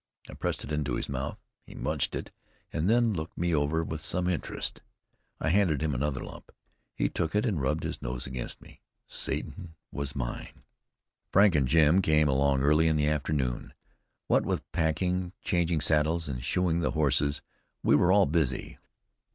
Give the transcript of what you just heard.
I pressed it into his mouth. He munched it, and then looked me over with some interest. I handed him another lump. He took it and rubbed his nose against me. Satan was mine! Frank and Jim came along early in the afternoon. What with packing, changing saddles and shoeing the horses, we were all busy.